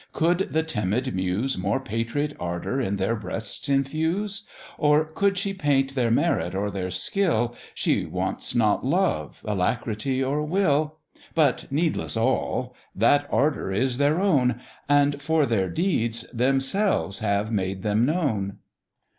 Could the timid Muse More patriot ardour in their breasts infuse; Or could she paint their merit or their skill, She wants not love, alacrity, or will: But needless all; that ardour is their own, And for their deeds, themselves have made them known.